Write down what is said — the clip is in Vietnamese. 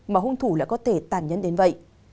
mà hung thủ lại có thể tàn nhân đến vậy